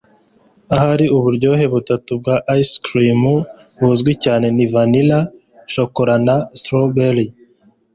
ahari uburyohe butatu bwa ice cream buzwi cyane ni vanilla, shokora na strawberry